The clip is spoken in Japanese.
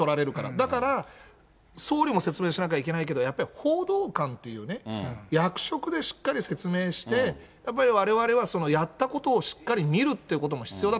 だから、総理も説明しなきゃいけないけど、やっぱり報道官っていうね、役職でしっかり説明して、やっぱりわれわれはやったことをしっかり見るっていうことも必要